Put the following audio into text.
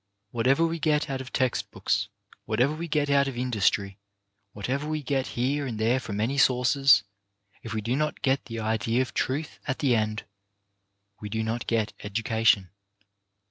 Whatever we get out of text books, whatever we get out of industry, whatever we get here and there from any sources, if we do not get the idea of truth at the end, we do not get education.